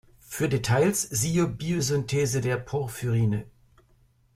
Für Details siehe Biosynthese der Porphyrine.